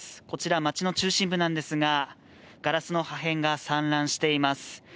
こちら街の中心部なんですが、ガラスの破片が散乱しています。